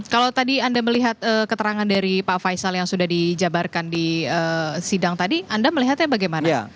kalau tadi anda melihat keterangan dari pak faisal yang sudah dijabarkan di sidang tadi anda melihatnya bagaimana